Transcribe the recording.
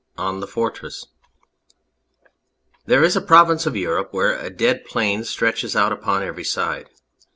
235 THE FORTRESS THERE is a province of Europe where a dead plain stretches out upon every side.